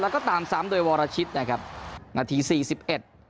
แล้วก็ตามซ้ำโดยวรชิตนะครับนาทีสี่สิบเอ็ด